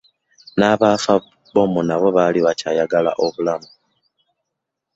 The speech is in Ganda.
N'abaafa bbomu nabo baali bakyayagala obulamu